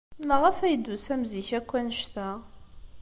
Maɣef ay d-tusam zik akk anect-a?